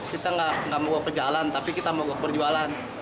kita nggak mau ke jalan tapi kita mogok perjualan